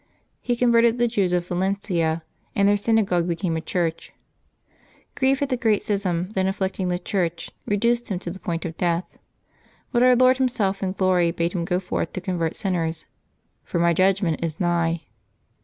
He converted the Jews of Valencia, and their synagogue became a church. Grief at the great schism then afflicting the Church reduced him to the point of death ; but Our Lord Himself in glory bade him go forth to convert sinners, " for My judgment is nigh."